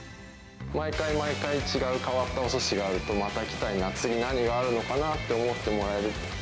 毎回、毎回、違う変わったおすしがあると、また来たいな、次何あるのかなと思ってもらえる。